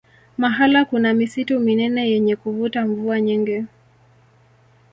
mahala kuna misitu minene yenye kuvuta mvua nyingi